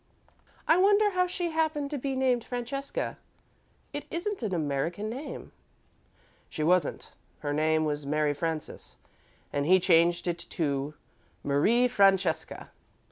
"I wonder how she happened to be named 'Francesca.' It isn't an American name." "She wasn't. Her name was 'Mary Frances,' and he changed it to 'Marie Francesca.'